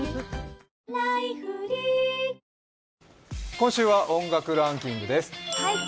今週は音楽ランキングです。